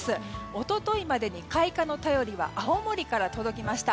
一昨日までに開花の便りは青森から届きました。